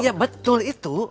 ya betul itu